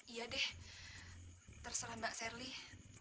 iya deh terserah mbak sherly